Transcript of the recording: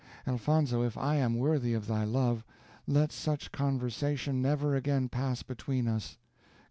Elfonzo, if I am worthy of thy love, let such conversation never again pass between us.